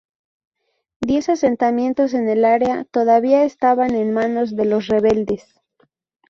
Diez asentamientos en el área todavía estaban en manos de los rebeldes.